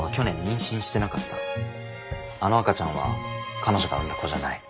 あの赤ちゃんは彼女が産んだ子じゃない。